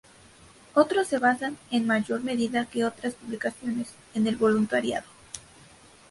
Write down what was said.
Otros se basan, en mayor medida que otras publicaciones, en el voluntariado.